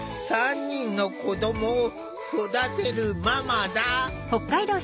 ３人の子どもを育てるママだ。